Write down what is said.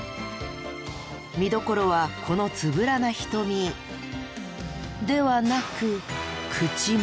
見どころはこのつぶらな瞳ではなく口元。